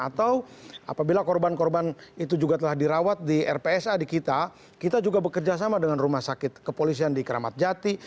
atau apabila korban korban itu juga telah dirawat di rpsa di kita kita juga bekerja sama dengan rumah sakit kepolisian di keramat jati